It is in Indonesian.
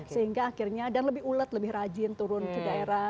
sehingga akhirnya dan lebih ulet lebih rajin turun ke daerah